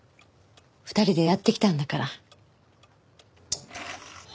２人でやってきたんだから。